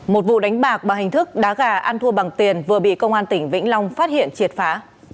một vụ đánh bạc bằng hình thức đá gà ăn thua bằng tiền vừa bị công an tỉnh vĩnh long phát hiện triệt phá